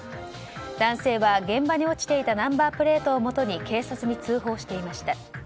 男性は現場に落ちていたナンバープレートをもとに警察に通報していました。